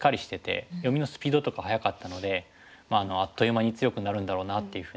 読みのスピードとか早かったのであっという間に強くなるんだろうなっていうふうな。